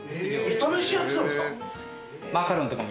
イタ飯やってたんですか？